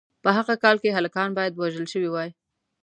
په هغه کال کې هلکان باید وژل شوي وای.